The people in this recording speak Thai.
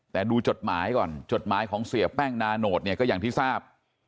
แต่ดูจดหมายก่อนจดหมายของเสียแป้งนาโนตเนี่ยก็อย่างที่ทราบ